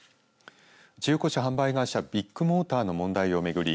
中古車販売会社ビッグモーターの問題を巡り